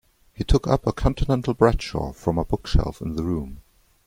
He took up a Continental Bradshaw from a bookshelf in the room.